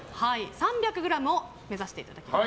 ３００ｇを目指していただきます。